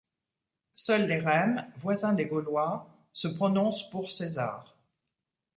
Seuls les Rèmes, voisins des Gaulois, se prononcent pour César.